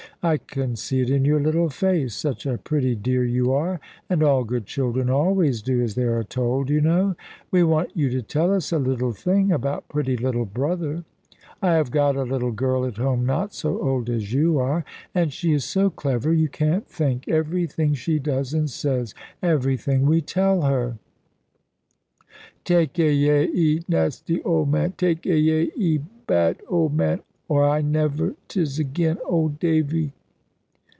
I can see it in your little face. Such a pretty dear you are! And all good children always do as they are told, you know. We want you to tell us a little thing about pretty little brother. I have got a little girl at home not so old as you are, and she is so clever, you can't think. Everything she does and says; everything we tell her " "Take ayay 'e nasty old man. Take ayay 'e bad old man; or I never tis 'a again, old Davy."